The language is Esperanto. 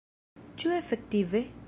Ĉu efektive?